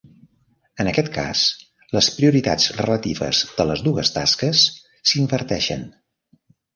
En aquest cas, les prioritats relatives de les dues tasques s'inverteixen.